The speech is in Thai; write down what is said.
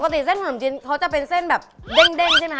เส้นขนมจีนเขาจะเป็นเส้นแบบเด้งใช่ไหมค